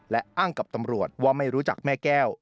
และอ้างกับตำรวจว่าไม่รู้จักแม่แก้ว